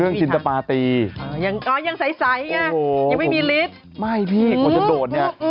เอาข้ามหน่อย